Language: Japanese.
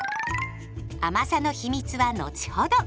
甘さの秘密は後ほど。